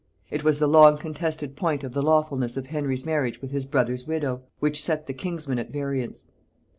It was the long contested point of the lawfulness of Henry's marriage with his brother's widow, which set the kinsmen at variance.